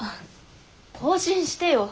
更新してよ。